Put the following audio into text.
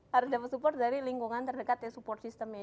harus dapat support dari lingkungan terdekat ya support systemnya